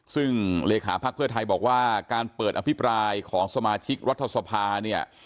ซึ่งเลขาภักดิ์เพื่อไทยบอกว่าการเปิดอภิปรายของสมาชิกรัฐสภาเนี่ย